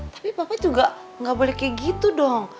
tapi papa juga gak boleh kayak gitu dong